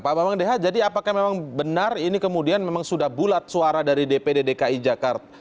pak bambang deha jadi apakah memang benar ini kemudian memang sudah bulat suara dari dpd dki jakarta